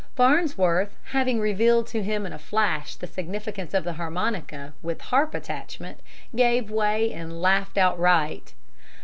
Farnsworth, having revealed to him in a flash the significance of the harmonica "with harp attachment," gave way and laughed outright.